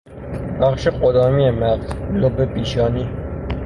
بخش قدامی مغز، لب پیشانی